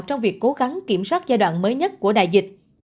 trong việc cố gắng kiểm soát giai đoạn mới nhất của đại dịch